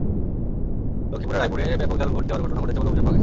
লক্ষ্মীপুরের রায়পুরে ব্যাপক জাল ভোট দেওয়ার ঘটনা ঘটেছে বলে অভিযোগ পাওয়া গেছে।